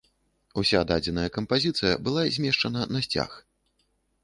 Уся дадзеная кампазіцыя была змешчана на сцяг.